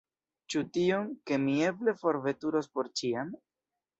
Ĉu tion, ke mi eble forveturos por ĉiam?